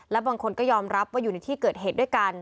และบางคนก็ยอมรับว่าอยู่ในที่เกิดเหตุด้วยกัน